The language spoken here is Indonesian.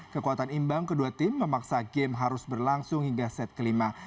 kekuatan imbang kedua tim memaksa game harus berlangsung hingga set kelima